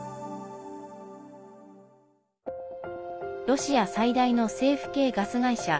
ロシア最大の政府系ガス会社